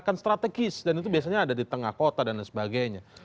kalau saya juga setuju bahwa itu harus dilakukan